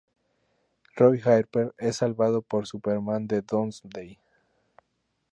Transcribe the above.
Roy Harper es salvado por Superman de Doomsday.